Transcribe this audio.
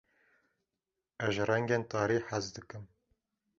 Ez ji rengên tarî hez dikim.